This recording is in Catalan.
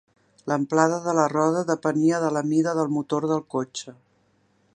L'amplada de la roda depenia de la mida del motor del cotxe.